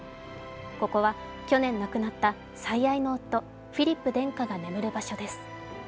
ここは去年亡くなった最愛の夫、フィリップ殿下が眠る場所です。